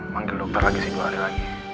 manggil dokter lagi si dua hari lagi